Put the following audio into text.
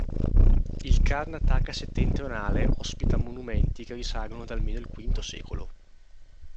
Il Karnataka settentrionale ospita monumenti che risalgono ad almeno il V secolo.